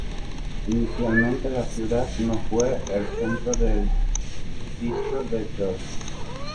Inicialmente, la ciudad no fue el centro del Distrito de Gore.